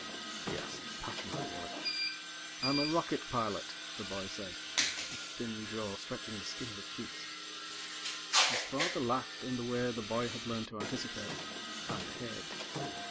he asked patronizingly. "I'm a rocket pilot," the boy said, his thin jaw stretching the skin of his cheeks. His father laughed in the way the boy had learned to anticipate and hate.